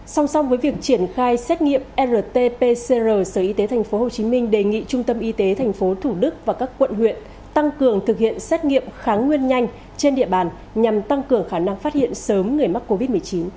song song với việc triển khai xét nghiệm rt pcr sở y tế tp hcm đề nghị trung tâm y tế tp thủ đức và các quận huyện tăng cường thực hiện xét nghiệm kháng nguyên nhanh trên địa bàn nhằm tăng cường khả năng phát hiện sớm người mắc covid một mươi chín